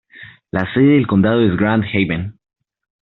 La sede del condado es Grand Haven.